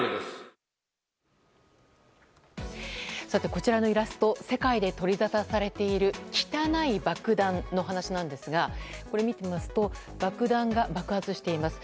こちらのイラスト世界で取りざたされている汚い爆弾の話なんですがこれ、見てみますと爆弾が爆発しています。